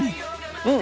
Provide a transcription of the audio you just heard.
うん！